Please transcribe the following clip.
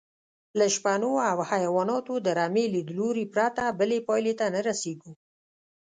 له شپنو او حیواناتو د رمې لیدلوري پرته بلې پایلې ته نه رسېږو.